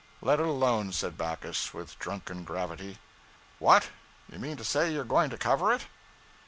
'Let it alone,' said Backus, with drunken gravity. 'What! you mean to say you're going to cover it?'